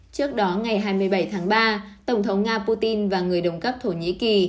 trước đó ngày hai mươi bảy tháng ba tổng thống nga putin và người đồng cấp thổ nhĩ kỳ